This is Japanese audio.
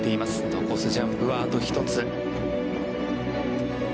残すジャンプはあと１つ。